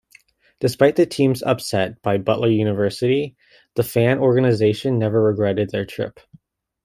Despite the team's upset by Butler University, the fan organization never regretted their trip.